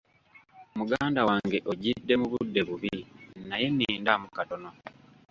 Muganda wange ojjidde mu budde bubi naye nindamu katono.